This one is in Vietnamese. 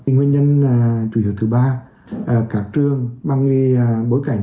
nguyên nhân chủ yếu thứ ba các trường bằng bối cảnh